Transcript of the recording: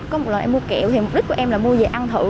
có một loại em mua kẹo thì mục đích của em là mua về ăn thử